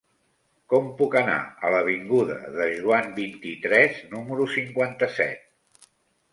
Com puc anar a l'avinguda de Joan vint-i-tres número cinquanta-set?